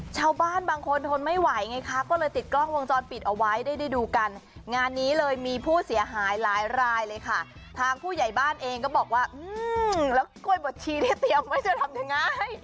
ชาวบ้านบางคนทนไม่ไหวไงคะก็เลยติดกล้องวงจรปิดเอาไว้ได้ดูกันงานนี้เลยมีผู้เสียหายหลายรายเลยค่ะทางผู้ใหญ่บ้านเองก็บอกว่าแล้วกล้วยบดชีที่เตรียมไว้จะทำยังไง